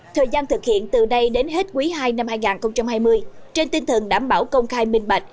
thời gian thực hiện từ nay đến hết quý ii năm hai nghìn hai mươi trên tinh thần đảm bảo công khai minh bạch